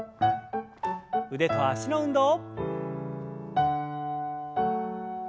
腕と脚の運動。